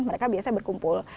mereka biasanya berkumpul